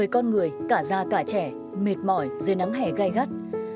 một mươi con người cả già cả trẻ mệt mỏi dưới nắng hè gai gắt